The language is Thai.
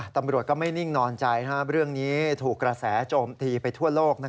ตำรวจก็ไม่นิ่งนอนใจเรื่องนี้ถูกกระแสโจมตีไปทั่วโลก